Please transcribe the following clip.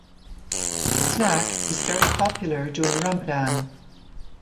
The snack is very popular during Ramadan.